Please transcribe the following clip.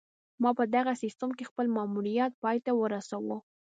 ما په دغه سیستم کې خپل ماموریت پای ته ورسوو